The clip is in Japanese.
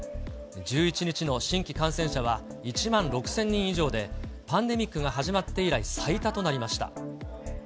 １１日の新規感染者は１万６０００人以上で、パンデミックが始まって以来、最多となりました。